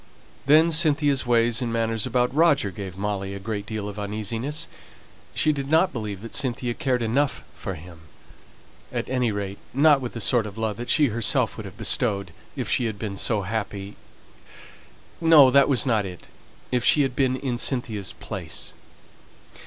Then Cynthia's ways and manners about Roger gave Molly a great deal of uneasiness. She did not believe that Cynthia cared enough for him; at any rate, not with the sort of love that she herself would have bestowed, if she had been so happy no, that was not it if she had been in Cynthia's place.